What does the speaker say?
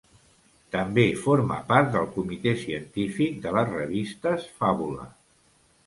També forma part del comitè científic de les revistes Fabula.